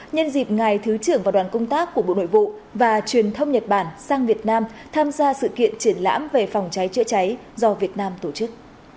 nhân dịp ngài thứ trưởng và đoàn công tác của bộ nội vụ và truyền thông nhật bản sang việt nam tham gia sự kiện triển lãm về phòng cháy chữa cháy do việt nam tổ chức